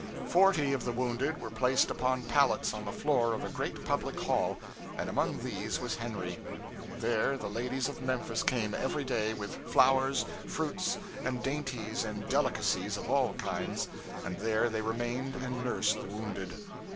Forty of the wounded were placed upon pallets on the floor of a great public hall, and among these was Henry. There the ladies of Memphis came every day, with flowers, fruits, and dainties and delicacies of all kinds, and there they remained and nursed the wounded.